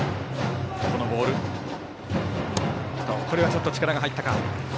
ちょっと力が入ったか。